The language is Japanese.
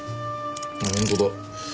ああ本当だ。